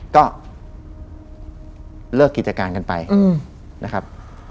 ก็เลิกกิจการกันไปนะครับ